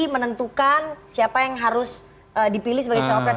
menentukan siapa yang harus dipilih sebagai cawapres